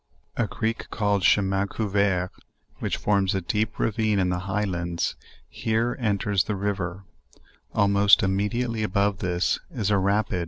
A creek called "Che min Convert," which forms a deep ravine in the highlands, here enters the river; almost immediately above this is a ra pid